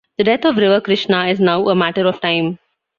The death of river Krishna is now a matter of time.